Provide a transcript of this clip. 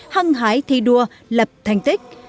hăng hái thi đua lập thành tích